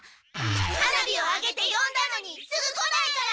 花火をあげてよんだのにすぐ来ないから！